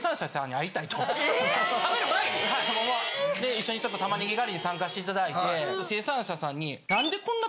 一緒に玉ねぎ狩りに参加していただいて生産者さんに。